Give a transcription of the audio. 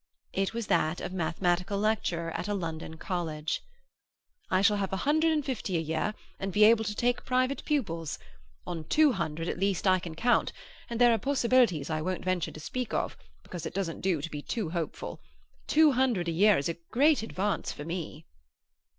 It was that of mathematical lecturer at a London college. "I shall have a hundred and fifty a year, and be able to take private pupils. On two hundred, at least, I can count, and there are possibilities I won't venture to speak of, because it doesn't do to be too hopeful. Two hundred a year is a great advance for me."